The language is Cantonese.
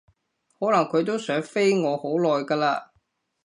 可能佢都想飛我好耐㗎喇